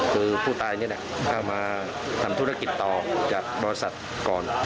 คือผู้ตายนี่แหละเข้ามาทำธุรกิจต่อจากบริษัทก่อน